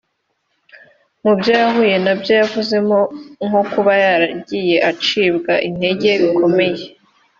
Mu byo yahuye nabyo yavuzemo nko kuba yaragiye acibwa intege bikomeye